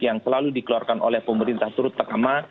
yang selalu dikeluarkan oleh pemerintah turut terkama